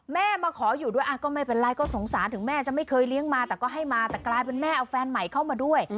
มาขออยู่ด้วยก็ไม่เป็นไรก็สงสารถึงแม่จะไม่เคยเลี้ยงมาแต่ก็ให้มาแต่กลายเป็นแม่เอาแฟนใหม่เข้ามาด้วย